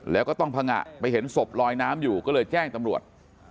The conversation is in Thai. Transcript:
แล้วก็ต้องพังงะไปเห็นศพลอยน้ำอยู่ก็เลยแจ้งตำรวจ